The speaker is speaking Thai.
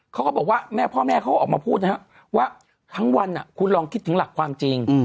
เขาก็บอกว่าแม่พ่อแม่เขาก็ออกมาพูดนะครับว่าทั้งวันคุณลองคิดถึงหลักความจริง